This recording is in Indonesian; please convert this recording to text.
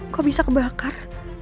kok bisa kebakar